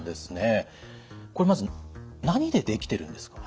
これまず何でできてるんですか？